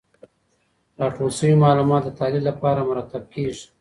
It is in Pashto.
راټول سوي معلومات د تحلیل لپاره مرتب کیږي.